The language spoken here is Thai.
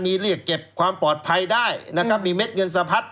มีเรียกเก็บความปลอดภัยได้นะครับมีเม็ดเงินสะพัด